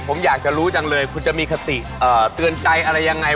ผมอยากจะรู้จังเลยคุณจะมีคติเตือนใจอะไรยังไง